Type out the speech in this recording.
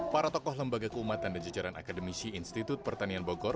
para tokoh lembaga keumatan dan jajaran akademisi institut pertanian bogor